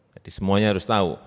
jadi semuanya harus tahu